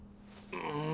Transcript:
うん。